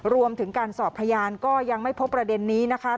รวมถึงการสอบพยานก็ยังไม่พบประเด็นนี้นะคะ